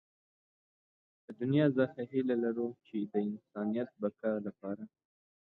له دنيا څخه هيله لرو چې د انسانيت بقا لپاره.